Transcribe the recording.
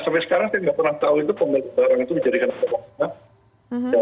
sampai sekarang kita tidak pernah tahu itu pemilik barang itu menjadikan apa